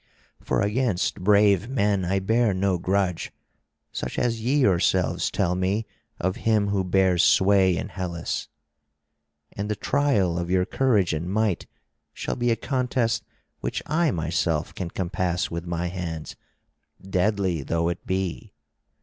For against brave men I bear no grudge, such as ye yourselves tell me of him who bears sway in Hellas. And the trial of your courage and might shall be a contest which I myself can compass with my hands, deadly though it be.